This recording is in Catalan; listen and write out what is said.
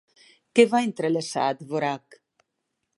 Què va entrellaçar Dvořák?